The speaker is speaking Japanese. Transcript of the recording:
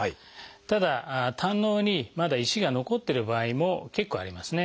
ただ胆のうにまだ石が残ってる場合も結構ありますね。